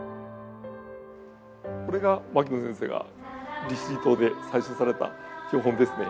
これが牧野先生が利尻島で採集された標本ですね。